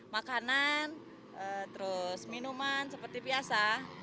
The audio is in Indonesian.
makanan terus minuman seperti biasa